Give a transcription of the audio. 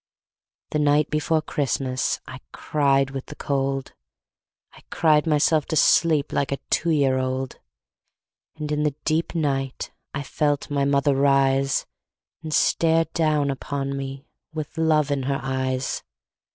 The night before Christmas I cried with the cold, I cried myself to sleep Like a two year old. And in the deep night I felt my mother rise, And stare down upon me With love in her eyes.